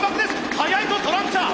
速いぞトランチャー！